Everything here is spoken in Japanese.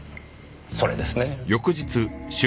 それですね。